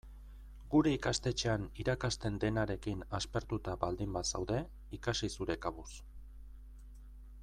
Gure ikastetxean irakasten denarekin aspertuta baldin bazaude, ikasi zure kabuz.